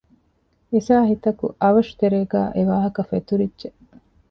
އިސާހިތަކު އަވަށު ތެރޭގައި އެ ވާހަކަ ފެތުރިއްޖެ